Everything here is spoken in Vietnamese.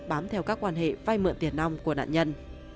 bám theo các quan hệ vai mượn tiền ong của nạn nhân